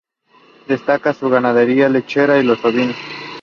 Destaca su ganadería lechera y los ovinos.